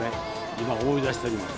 今思い出しております。